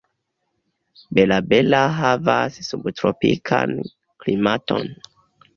Bela-Bela havas subtropikan klimaton.